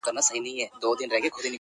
o سپوږمۍ په لپه کي هغې په تماسه راوړې.